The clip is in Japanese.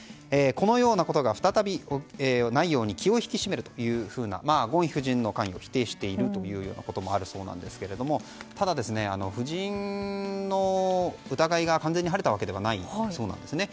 このようなことが再びないように気を引き締めるとゴンヒ夫人の関与を否定しているところもあるそうですがただ、夫人の疑いが完全に晴れたわけではないそうなんですね。